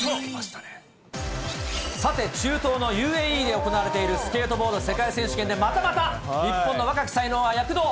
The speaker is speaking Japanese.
さて、中東のＵＡＥで行われているスケートボード世界選手権で、またまた日本の若き才能が躍動。